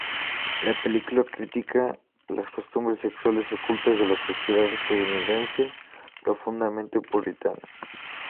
La película critica las costumbres sexuales ocultas de la sociedad estadounidense, profundamente puritana.